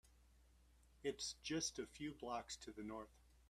It’s just a few blocks to the North.